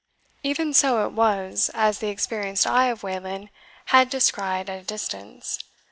Even so it was, as the experienced eye of Wayland had descried at a distance.